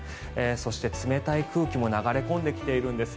そして、冷たい空気も流れ込んできているんです。